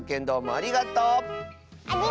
ありがとう！